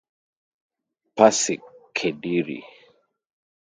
Persik Kediri